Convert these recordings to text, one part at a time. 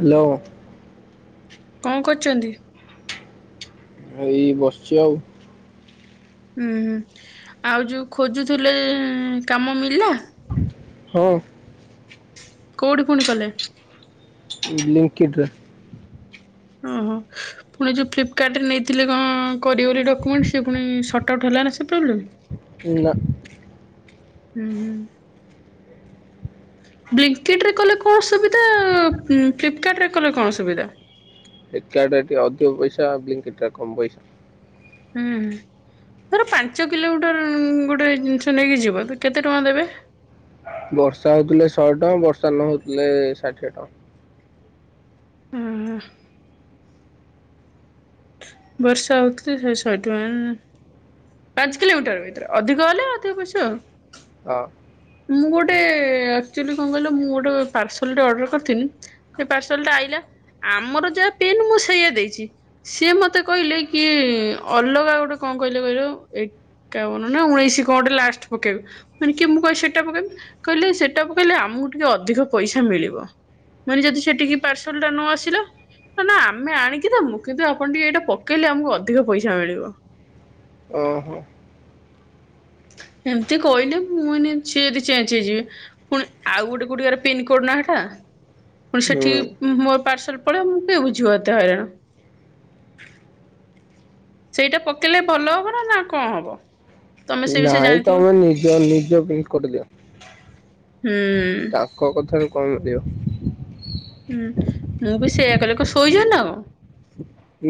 Hello. କଣ କରୁଛନ୍ତି? ଏଇ ବସିଛି ଆଉ ହୁ ହୁଁ ଆଉ ଯୋଉ ଖୋଜୁଥିଲେ କାମ ମିଳିଲା। ହଉ। କୋଉଠି ପୁଣି କଲେ? ଲିଙ୍କି ଡ୍ରା। ଓ ହୋ। ପୁଣି ଯୋଉ ଫ୍ଲିପକାର୍ଟରେ ନେଇଥିଲେ କଣ କରିବ ବୋଲି ଡକ୍ୟୁମେଣ୍ଟ ସ ସେ ପୁଣି ସଟ ଆଉଟ୍ ହେଲା ନା ସେ ପ୍ରୋବ୍ଲେମ୍। ହେଲା। ହୁଁ ହୁଁ। ବ୍ଲିଙ୍କିଟ୍ରେ କଲେ କଣ ସୁବିଧା ଫ୍ଲିପକାର୍ଟରେ କଲେ କଣ ସୁବିଧା? ଫ୍ଲିପକାର୍ଟରେ କଲେ ଟିକେ ଅଧିକ ପଇସା ବ୍ଲିଙ୍କିଟରେ କମ ପଇସା। ହୁଁ ଧର ପାଞ୍ଚ କିଲୋମିଟର ଗୋଟେ ଜିନିଷ ନେଇକି ଯିବ ତ କେତେ ଟଙ୍କା ଦେବେ? ବର୍ଷା ହଉଥିଲେ ଶହେ ଟଙ୍କା, ବର୍ଷା ନ ହଉଥିଲେ ଷାଠିଏ ଟଙ୍କା। ହୁଁ। ବର୍ଷା ହଉଥିଲେ ସେ ଶହେ ଟଙ୍କା ପାଞ୍ଚ କିଲୋମିଟର ଭିତରେ ଅଧିକ ହେଲେ ଅଧିକ ପଇସା ଆଉ। ହଁ। ମୁଁ ଗୋଟେ ଆକ୍ଚୁଆଲି କଣ କହିଲ, ମୁଁ ଗୋଟେ ପାର୍ସଲଟେ ଅର୍ଡ଼ର କରିଥିଲି। ସେ ପାର୍ସଲଟା ଆଇଲା ଆମର ଯାହା ପିନ୍ ମୁଁ ସେଇଆ ଦେଇଛି। ସିଏ ମତେ କହିଲେ କି ଅଲଗା ଗୋଟେ କଣ କହିଲେ କହିଲ ଏକାବନ ନା ଉଣେଇଶି କଣ ଗୋଟେ ଲାଷ୍ଟ ପକେଆକୁ ମାନେ କି ମୁଁ କହି ସେ ଟା କହିଲେ ସେଟାକୁ ପକେଇଲେ ଆମକୁ ଟିକେ ଅଧିକ ପଇସା ମିଳିବ। ମାନେ ଯଦି ସେଠିକି ପାର୍ସଲଟା ନ ଆସିଲା। ନା ଆମେ ଆଣିକି ଦବୁ କିନ୍ତୁ ଆପଣ ଟିକେ ଏଇଟା ପକେଇଲେ ଆମକୁ ଅଧିକ ପଇସା ମିଳିବ। ଓହୋ। ଏମିତି କହିଲେ ସେ ଯଦି ଅଇକା ଚେଞ୍ଜ ହେଇଯିବେ। ପୁଣି ଆଉ ଗୋଟେ କୋଉଠିକାର ପିନକୋଡ ନା ଟା ପୁଣି ସେଠି ହୁଁ ମୋର ପାର୍ସଲ ପଳେଇବ ମୁଁ କିଏ ବୁଝିବ ଏତେ ହଇରାଣ। ସେଇଟା ପକେଇଲେ ଭଲ ହବ ନା ନା କଣ ହବ? ତମେ ସେ ବିଷୟ ନାଇଁ ଜାଣିଥିବ ତମେ ନିଜ ନିଜ ପିନକୋଡ଼ ଦିଅ। ହୁଁ। [unintelligible] ହୁଁ ମୁଁ ବି ସେଇଆ କଲି, କଣ ଶୋଇଚ ନା କଣ?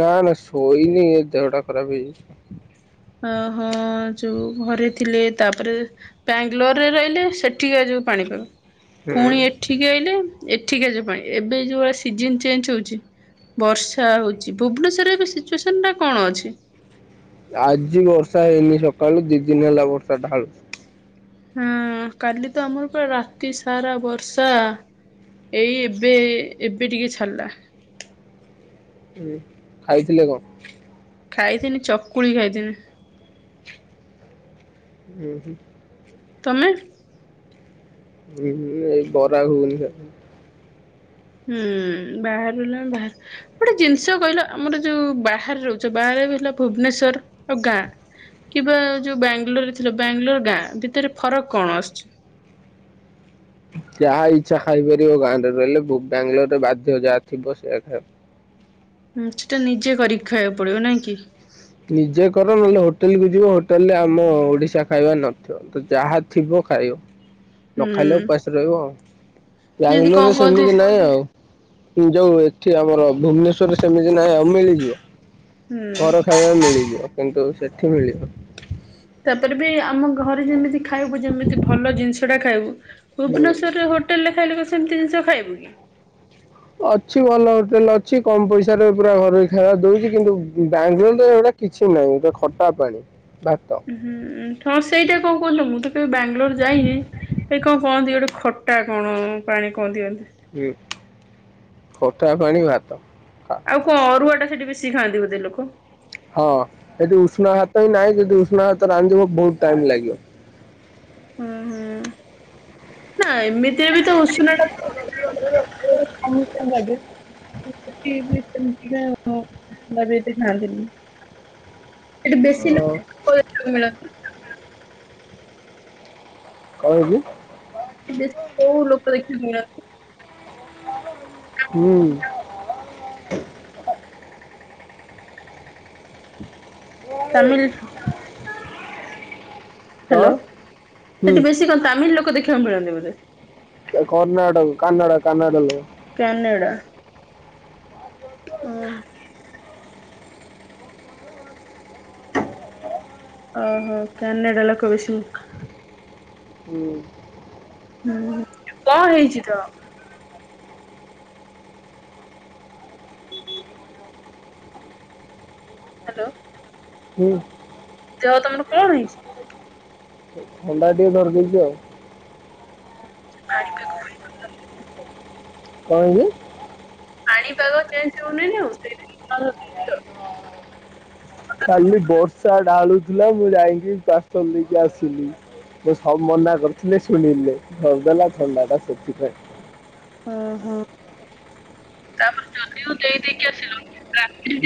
ନା ନା ଶୋଇନି ଏ ଦେହଟା ଖରାପ ହେଇଯାଇଛି। ଅ ହଁ ଯୋଉ ଘରେ ଥିଲେ ତାପରେ ବାଙ୍ଗଲୋରେ ରହିଲେ ସେଠିକା ଯୋଉ ପାଣି ପାଗ। ହୁଁ ପୁଣି ଏଠିକି ଆଇଲେ ଏଠିକାର ଯୋଉ ପାଣି, ଏବେ ଯୋଉ ସିଜନ ଚେଞ୍ଚ ହଉଛି। ବର୍ଷା ହଉଛି, ଭୁବନେଶ୍ୱରରେ ଏବେ ସିଚୁଏସନ୍ଟା କଣ ଅଛି? ଆଜି ବର୍ଷା ହେଇନି ସକାଳୁ ଦି ଦିନି ହେଲା ବର୍ଷା ଢାଳୁଛି। ହଁ କାଲି ତ ଆମର ପୁରା ରାତି ସାରା ବର୍ଷା। ଏଇ ଏବେ ଏବେ ଟିକେ ଛଡ଼ିଲା। ହୁଁ। ଖାଇଥିଲେ କଣ? ଖାଇଥିଲି ଚକୁଳି ଖାଇଥିଲି। ଉଁ ହୁଁ। ତମେ? ଉଁ ମୁଁ ଏଇ ବରା ଘୁଗୁନି ଖାଇଥିଲି। ହୁଁ ବାହାରିଲା ବାହା ଗୋଟେ ଜିନିଷ କହିଲ ଆମର ଯୋଉ ବାହାରେ ରହୁଛ ବାହାରେ ହେଲା ଭୁବନେଶ୍ଵର ଆଉ ଗାଁ କିବା ଯୋଉ ବାଙ୍ଗଲୋର ରେ ଥିଲ, ବାଙ୍ଗଲୋର ଗାଁ ଭିତରେ ଫରକ କଣ ଆସୁଛି? ଯାହା ଇଚ୍ଛା ଖାଇପାରିବ ଗାଁରେ ରହିଲେ ବୋ ବାଙ୍ଗଲୋରରେ ବାଧ୍ୟ ଯାହା ଥିବ ସେଇଆ ଖାୟ। ହୁଁ ସେଟା ନିଜେ କରିିକି ଖାଇବାକୁ ପଡିବ ନାଇଁ କି। ନିଜେ କର ନହେଲେ ହୋଟେଲ କୁ ଯିବ ହୋଟେଲ ରେ ଆମ ଓଡିଶା ଖାଇବା ନଥିବ ତ ଯାହା ଥିବ ଖାୟ। [unintelligible] ନ ଖାଇଲେ ଉପାସରେ ରହିବ ଆଉ, ଯେମିତି କଣ ବାଙ୍ଗଲୋରରେ କହନ୍ତି ସେମିତି ନାହିଁ ଆଉ। ଯୋଉ ଏଠି ଆମର ଭୁବନେଶ୍ଵରରେ ସେମିତି ନାହିଁ ଆଉ ମିଳିଯିବ, ହୁଁ ଘର ଖାଇବା ମିଳିଯିବ କିନ୍ତୁ ସେଠି ମିଳିବ। ତାପରେ ବି ଆମ ଘରେ ଯେମିତି ଖାଇବୁ ଯେମିତି ଭଲ ଜିନିଷ ଟା ଖାଇବୁ। ହୁଁ। ଭୁବନେଶ୍ୱରରେ ହୋଟେଲରେ ଖାଇଲେ କଣ ସେମିତି ଜିନିଷ ଖାଇବୁ କି? ଅଛି ଭଲ ହୋଟେଲ ଅଛି କମ ପଇସାରେ ପୁରା ଘରୋଇ ଖାଇବା ଦଉଛି କିନ୍ତୁ ବାଙ୍ଗଲୋର ରେ ଏଗୁଡ଼ା କିଛି ନାହିଁ ଯୋଉ ଖଟା ପାଣି, ଭାତ। ହୁଁ ହଁ ସେଇଟା କଣ କହୁଚ ମୁଁ ତ କେବେ ବାଙ୍ଗାଲୋର ଯାଇନି ଏଇ କଣ କହନ୍ତି ଗୋଟେ ଖଟା କଣ ପାଣି କଣ ଏମିତି। ଉଁ ଖଟା ପାଣି ଭାତ। ଖା। ଆଉ କଣ ଅରୁଆ ଟା ସେଠି ବେଶି ଖାଆନ୍ତି ବୋଧେ ଲୋକ? ହଁ ଏଦି ଉଷୁନା ହାତ ହିଁ ନାହିଁ ଯଦି ଉଷୁନା ହାତ ରାନ୍ଧିବ ବହୁତ ଟାଇମ ଲାଗିବ। ଉଁ ହୁଁ ନା ଏମିତିରେ ବି ତ ଉଷୁନା ଟା। [unintelligible] [unintelligible] [unintelligible] ଆମର ଏଠି ଖାନ୍ତିନି। ଏଠି ବେଶୀ ହଁ ଲୋକ [unintelligible] ମିଳନ୍ତି। କଣ ହେଇଛି? କି ବେଶୀ କୋଉ ଲୋକ ଦେଖିବାକୁ ମିଳନ୍ତି। ହୁଁ। [unintelligible] ତାମିଲ ହ୍ୟାଲୋ କଣ ହୁଁ ସେଠି ବେଶ୍ ସି କଣ ତାମିଲ ଲୋକ ଦେଖିବାକୁ ମିଳନ୍ତି ବୋଧେ? କର୍ଣାଟକ କାନାଡା କାନାଡା ଲୋକ। କାନେଡ଼ା। ହଁ। ଓହୋ କ୍ୟାନାଡ଼ା ଲୋକ ବେଶୀ। ହୁଁ। ହୁଁ କଣ ହେଇଛି ତୋର? ହ୍ୟାଲୋ। ହୁଁ। ଦେହ ତମର କଣ ହେଇଛି? ଥଣ୍ଡା ଟିକେ ଧରରି ଦେଇଛି ଆଉ କଣି [unintelligible] କଣ ହେଇଛି? ପାଣିପାଗ ଚେଞ୍ଜ ହଉନିନୁ ସେ ତ ଖାଲି ବର୍ଷା ଢାଳୁଥିଲା ମୁଁ ଯାଇକି ପାର୍ସଲ ଦେଇକି ଆସିଲି। ମୁଁ ସବୁ ମନା କରିଥିଲେ ଶୁଣିଲେ ଧରିଦଲା ଥଣ୍ଡା ଟା ସେଥିପାଇଁ। ଓ ହୋ ତାପରେ ଯଦି ଦେଇ ଦେଇକି ଆସିଲ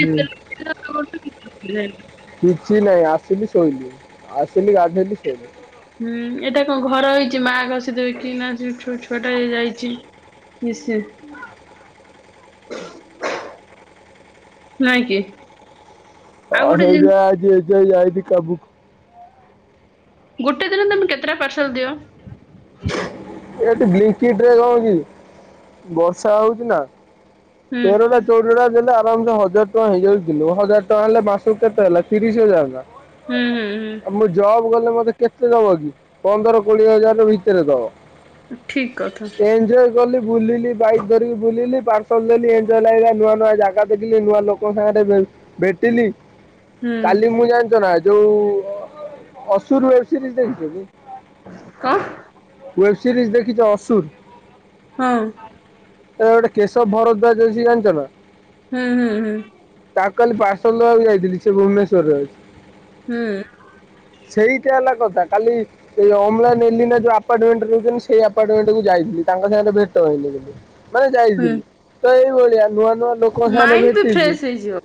ହୁଁ ଦ [unintelligible] କିଛି ନାହିଁ ଆସିଲି ଶୋଇଲିୁ ଆସିଲି ଗାଧୋଇଲିି ଶୋଇଲି। ହୁଁ ଏଇଟା କଣ ଘର ହେଇଛି ମା ଘଷଦଉ କି ନା ସେ ଛି ଛୁ ଛୁଆଟା ହେଇ ଯାଇଛି। ନିଶ୍ଚୟ। ନାଇଁ କି। ଆଉ ହଁ ଗୋଟେ ସେଇବେ ଜିନିଷ ଆଜି ଏ ଯ ଯାଇଛିି କବୁ [unintelligible] ଗୋଟେ ଦିନ ତୁମେ କେତେଟା ପାର୍ଲ ଦିଅ? ଏଟି ବିଙ୍କିଟି ନୁହଁକି ବର୍ଷା ହଉଥିଲା। ହୁଁ ନେରୋଲାଜି। ଚୋଟା ଦେଲେ ଆରାମସ ହଜାର ଟଙ୍କା ହେଇଯାଇଥିଲୁ ହଜାର ଟଙ୍କା ହେଲେ ମାସ କେତେ ହେଲା ତିରିଶ ହଜାର ଟ ହୁଁ ହୁଁ ହୁଁ। ମୁଁ ଜବ୍ କଲେ ମତେ କେତେ ଦବ କି ପନ୍ଦର କୋଡିଏ ହଜାର ଭିତରେ ଦବ। ଠିକ କଥା ଏଞଜଲ। ଗଲି ବୁଲିଲି ବାଇକ ଧରିକି ବୁଲିଲି ପାର୍ସଲ ଦେଲି ଏଜୟ ଲାଗିଲା ନୂଆ ନୂଆ ଜାଗା ଦେଖିଲି ନୂଆ ଲୋକଙ୍କ ସାଙ୍ଗରେ ଭେଟିିଲି। ହୁଁ କାଲି ମୁଁ ଜାଣିଛ ନା ଯୋଉ ଅସୁର ସିରିଜ ଦେଖିଛ। ଆଁ। ୱେବ ସିରିଜ ଦେଖିଛ ଅସୁର ହଁ। ଏରା ଗୋଟେ କେଶବ ଭରଦ୍ୱାଜ ଅଛି ଜାଣିଛ ନା? ହୁଁ ହୁଁ ହୁଁ। ତା କାଲି ପାର୍ଶଲ୍ ଦବାକୁ ଯାଇଥିଲି ସେ ଭୁବନେଶ୍ୱରରେ। ହୁଁ। ସେଇଟା ହେଲା କଥା କାଲି ଏଇ ଅମଲାନ୍ ଏଲିନା ଯୋଉ ଆପାର୍ଟମେଣ୍ଟରେ ରହୁଛନ୍ତି ସେଇ ଆପାର୍ଟମେଣ୍ଟକୁ ଯାଇଥିଲି ତାଙ୍କ ସାଙ୍ଗରେ ଭେଟ ହେଇଥିଲି ମାନେ ହୁଁ ଯାଇଥିଲି। ତ ଏଇଭଳିଆ ନୂଆ ନୂଆ ଲୋକଙ୍କ ସାଙ୍ଗରେ ମାଇଣ୍ଡ ବି ଭେଟିଲି ଫ୍ରେଶ ହେଇଯିବ।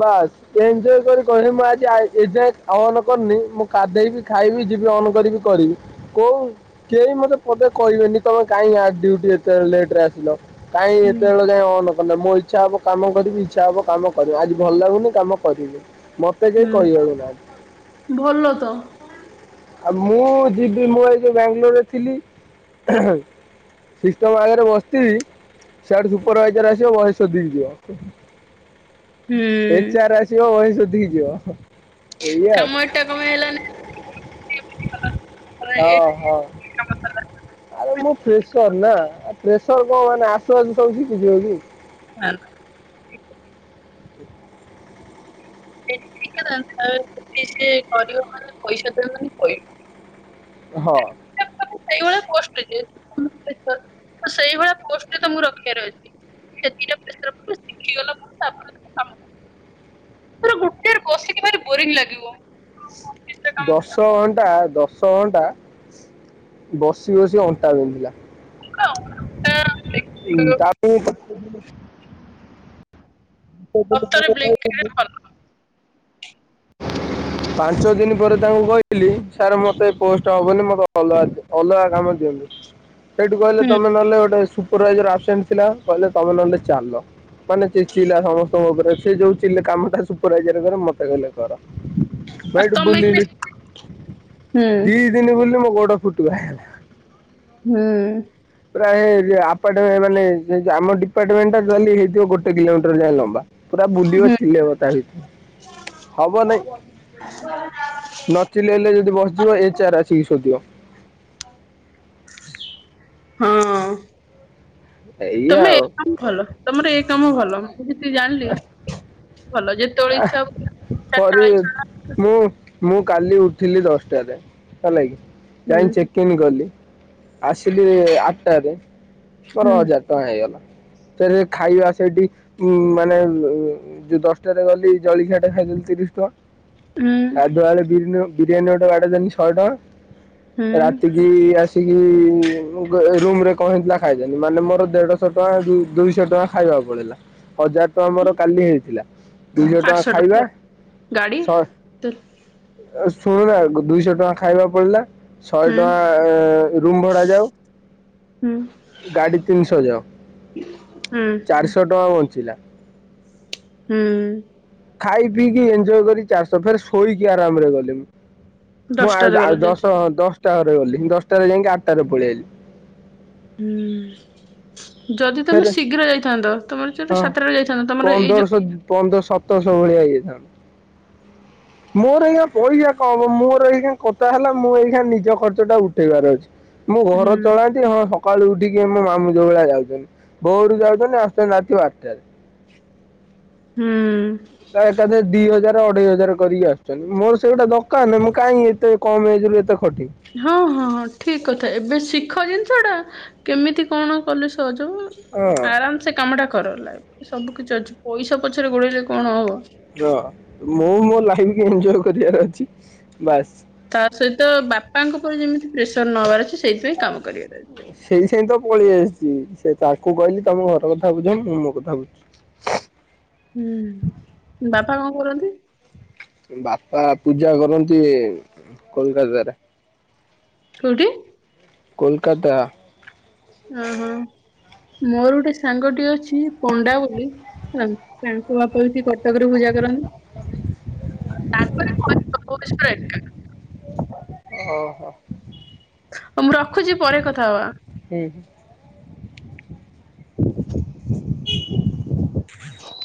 ବାସ୍। ଏଞ୍ଜୟ କରି କହିଲି ମୁଁ ଆଜି ଏଞ୍ଜାଏ ଅନ୍ କରିନି ମୁଁ କାଧେଇବି ଖାଇବି ଯିବି ଅନ୍ କରିବି। କରିବି କୋଉ କେହି ମତେ ପଦେ କହିବେନି ତମେ କାହିଁକି ଆ ଡୁଟି ଏତେ ଲେଟରେ ଆସିଲ। କାଇଁ ହୁଁ ଏତେବେଳ ଯାଏଁ ଅନ୍ ମୋ ଇଛା ହବ କାମ କରିବି ଇଛା ହବ କାମ କରିବି ଆଜି ଭଲ ଲାଗୁନି କାମ କରିବି। ମତେ ହୁଁ କେହି କହିିବାକୁ ନାହାନ୍ତି। ଭଲ ତ। ଆଉ ମୁଁ ଯିବି ମୁଁ ଏଇ ଯୋଉ ବାଙ୍ଗାଲୋରରେ ଥିଲି ସିଷ୍ଟମ୍ ଆଗରେ ବସିଥିବ ସିଆଡୁ ସୁପରଭାଇଜର ଆସିବ ବହେ ସୋଦିକି ଯିବ। ହୁଁ ଏ ଚାର ଆସିବ ବହେ ସୋଦିକି ଯିବ ଏଇୟା ଆଉ। କମେ ହେଲାନି? ଏଇ ହଁ, ହଁ। କାମ ଟା ଆରେ ମୁଁ ପ୍ରେସର୍ ନାଁ। ଆ ପ୍ରେସର୍ କଣ ମାନେ ଆସୁ ଆସୁ ସବୁ ଶିଖିଯିବ କି? ନାଁ, ନା। ଠିକଥା ତା, ସେଠି ସିଏ କରିବ ମାନେ ପଇସା ଦେଲେନି କଇବି। ହଁ। ସେଇଭଳିଆ ପୋଷ୍ଟରେ ଯେ [inaudible] ସେଇଭଳିଆ ପୋଷ୍ଟରେ ତମକୁ ରଖିବାର ଅଛି। ଶିଖିଗ [inaudible] [unintelligible] ଗୋଟେରେ ବସିକି ଭାରି ବୋରିଙ୍ଗ୍ ଲାଗିବ। ଅଫିସରେ କାମ ଦଶ ଶ ଘଣ୍ଟା ଦଶ ଘଣ୍ଟା, ବସି ବସି ଅଣ୍ଟା ବିନ୍ଧିଲା। କରୁଥିଲ ହଁ, ଆଉ ତାପ [unintelligible] ସତରେ ବ୍ଲିଙ୍କିଟ୍ ଭଲ [unintelligible] ପାଞ୍ଚ ଦିନ ପରେ ତାଙ୍କୁ କିଇଲି, ସାର୍ ମତେ ପୋଷ୍ଟ୍ ଷ୍ଟ ହବନି ମୋତେ ଅଲଗା ଅଲଗା କାମ ଦିଅନ୍ତୁ। ସେଇଠୁ କହିଲେ ହୁଁ ତମେ ନହେଲେ ଗୋଟେ ସୁପ୍ [unintelligible] ଆବସେଣ୍ଟ ଥିଲା କହିଲେ ନହେଲେ ଚାଲ ମାନେ କଲା ସମସ୍ତଙ୍କ ଉପରେ। ସେ ଯୋଉ ଚିଲ୍ କାମଟା ସୁପରାଇଜର କର ମତେ କହେଲେ କର। ଭାଈ ଆଉ ବାଇଠୁ ତମେ କି ବୁଲିଲି, ହୁଁ ଦି ଦିନୀ ବୁଲି ମୋ ଗୋଡ ଫୁଟିକା ହେଖ। ହୁଁ। ପ୍ରାୟ ଏ ଆପର୍ଟ ମାନେ ଆମ ଡିପାର୍ଟମେଣ୍ଟ ଟା ଟୋଟାଲୀ ହେଇଥିବ ଗୋଟେ କିଲୋମିଟର ଯାଏ ଲମ୍ବା? ପୁରା ବୁଲିବ ଚିଲ୍ଲେଇବ ତା ଭିତରେ ହବ ନାଇଁ? ନ ଚିଲ୍ଲେଇଲେ ଯଦି ବସିଯିବ ଏଚ୍ ଆର୍ ଆସିକି ସୋଦିବ। ହଁ। ଏଇୟା ତମେ ଏ ଆଉ। କାମ ଭଲ ତମର ଏ କାମ ଭଲ। ମୁଁ ଯେତିକି ଜାଣିଲି ଭଲ ଯେତେବେଳେ ଇଚ୍ଛା ହବ ଚାରିଟା ବେଳେ ଇଚ୍ଛା ସରିତ୍ ମୁଁ, ମୁଁ କାଲି ଉଠିଲି ଦଶଟାରେ ହେଲା କିି ହୁଁ ଯାଇଁ ଚେକ୍ କିଣି ଗଲି। ଆସିଲି ଆଟ୍ଟାରେ ପର ହୁଁ। ହଜାର କଣ ହେଇଗଲା? ଫେରେ ଖାଇବା ଆସ୍ ସେଇଠି ଉମ୍ ମାନେ ଅ ଯଉ ଦଶଟାରେ ଗଲି ଜଳଖିଆଟା ଖାଇଦେଲି ତିରିଶ ଟଙ୍କା। ହୁଁ ଗାଧୁଆବେଳେ ବିରିନ - ବିରିୟାନୀ ଗୋଟେ ବଡେଇଦେନି ଶହେ ଟଙ୍କା। ହୁଁ ରାତି କିି ଆସ୍ ସିକି-ଇ ରୁମ୍ ରେ କଣ ହେଇଥିଲା ଖାଇଦେଲି, ମାନେ ମୋର ଦେଢଶହ ଟଙ୍କା ଦୁ-ଦୁଇଶହ ଟଙ୍କା ଖାଇବାକୁ ପଳେଇଲା। ହଜାର ଟଆଁ ମୋର କାଲି ହେଇଥିଲା। ଦୁଇଶହ ଟଙ୍କା ଖାଇବା, ଗାଡି ଶହେ ଶୁଣୁନା ଦୁଇଶହ ଟଁଆ ଖାଇବା ପଡିଲା। ଶହେ ହୁଁ ଟଆଁ ଏଁ ରୁମ ଭଡ଼ାଯାଉ। ହୁଁ। ଗାଡି ତିନିଶହ ଯାଉ, ହୁଁ ଚାରିଶହ ଟଙ୍କା ବଞ୍ଚିଲା। ହୁଁ। ଖାଇ ପିଇକି ଏଞ୍ଜୟ କରି ଚାରିଶହ, ଫେର ଶୋଇକି ଆରାମ୍ ରେ ଗଲି ମୁଁ। ମୁଁ ଦଶଟାରେ ଗଲ ଆଉଆଉ ଯଦି ଦଶହ ଦଶଟା ଘରେ ଗଲି ଦଶଟାରେ ଯାଇଁକି ଆଟ୍ଟାରେ ପଳେଆଇଲି। ହୁଁ, ଯଦି ତମେ ଫେରେ ଶୀଘ୍ର ଯାଇଥାନ୍ତ, ତମର ଯୋଉଟା ହଁ ସାତଟାରେ ଯାଇଥାନ୍ତ, ତମର ଏଇ ଯୋଉ ପନ୍ଦରଶହ ପନ୍ଦର ସତର୍ ଶହ ଭଳିଆ ହେଇଯାଇଥାନ୍ତା। ହୁଁ। ମୋର ଏଇକ୍ଷୀଣା ପଇସା କମ୍ ମୋର ଏଇଖୀଣ କଥା ହେଲା ମୁଁ ଏଇଖୀଣ ନିଜ ଖର୍ଚ୍ଚଟା ଉଠେଇବାର ଅଛି। ମୁଁ ଘର ହୁଁ ଚଳାନ୍ତି ହଁସକାଳୁ ଉଠିକି ଆମ ମାମୁଁ ଯୋଉ ଭଳିଆ ଯାଉଚନ୍ତି। ଭୋଉରୁ ଯାଉଚନ୍ତି ଆସୁଚନ୍ତି ରାତି ବାଟାରେ। ହୁଁ। ହୁଁ। ଏକାଥରେ ଦି ହଜାରେ ଅଢେଇ ହଜାରେ କରିକି ଆସୁଚନ୍ତି ମୋର ସେଇଗୁଡ଼ା ଦରକାର୍ ନାହିଁ ମୁଁ କାହିଁ ଏତେ କମ୍ ଏଜରୁ ଏତେ ଖଟି ହଁ ହଁ ହଁ ଠିକ୍ କଥା ଏବେ ଶିଖ ଜିନିଷଟା କେମିତି କଣ କଲେ ସହଜ ହବ ହଁ। ଆରାମସେ କାମଟା କର ଲାଇଫରେ ସବୁ କିଛି ଅଛି ପଇସା ପଛରେ ଗୋଡ଼େଇଲେ କଣ ହବ। ହଁ ମୁଁ ମୋଲାଇଫକି ଏଞ୍ଜୟ୍ କରିବାର ଅଛି ବାସ୍। ତା ସହିତ ବାପାଙ୍କ ଉପରେ ଯେମିତି ପ୍ରେସର ନହବାର ଅଛି ସେଇଥିପାଇଁ କାମ କରିବାର ଅଛି। ସେଇ ସେଇତ ପଳେଇ ଆସିଚି ସେତାକୁ କହିଲି ତମେ ଘର କଥା ବୁଝ ମୁଁ ମୋକଥା ବୁଝୁଚି। ହୁଁ ବାପା କଣ କରନ୍ତି? ବାପା ପୂଜା କରନ୍ତି କୋଲକତାରେ। କୋଉଠି? କୋଲକାତା। ଅଁ ହଁ ମୋର ଗୋଟେ ସାଙ୍ଗଟିଏ ଅଛି ପଣ୍ଡା ବୋଲି ତା ତାଙ୍କ ବାପାବି ସେଇ କଟକରେ ପୂଜା କରନ୍ତି। ତାଙ୍କରି [unintelligible] ସବୁ ଏକା। ଓହୋ ହଉ ମୁଁ ରଖୁଛି ପରେ କଥା ହବା। ହୁଁ। [inaudible]